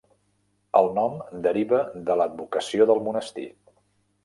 El nom deriva de l'advocació del monestir.